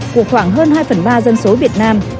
của khoảng hơn hai phần ba dân số việt nam